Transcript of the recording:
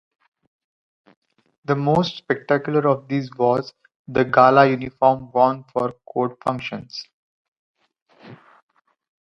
The most spectacular of these was the gala uniform worn for Court functions.